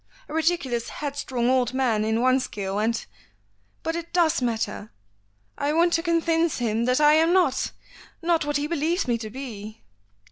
A ridiculous headstrong old man in one scale, and " "But it does matter. I want to convince him that I am not not what he believes me to be."